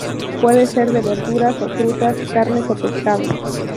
Puede ser de verduras o frutas, carnes o pescado.